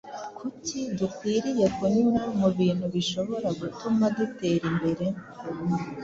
Kuki dukwiriye kunyura mu bintu bishobora gutuma dutera imbere